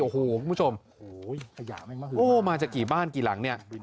โอ้โหคุณผู้ชมโอ้มาจากกี่บ้านกี่หลังเนี่ย